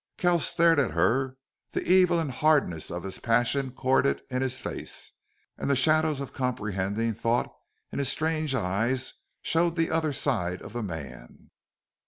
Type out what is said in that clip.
Kells stared at her, the evil and hardness of his passion corded in his face. And the shadows of comprehending thought in his strange eyes showed the other side of the man.